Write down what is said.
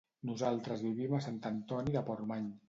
Nosaltres vivim a Sant Antoni de Portmany.